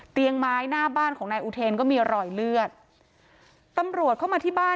ไม้หน้าบ้านของนายอุเทนก็มีรอยเลือดตำรวจเข้ามาที่บ้าน